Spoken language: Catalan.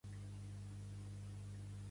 Contra la violència dels Sanfermines.